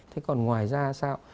thế còn ngoài ra sao